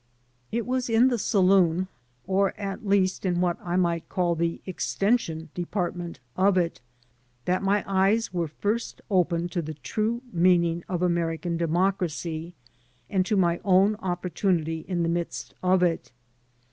It was in the saloon — or, at least, in what I might call the extension department of it — ^that my eyes were first opened to the true meaning of American democracy and to my own opportimity in the midst of it.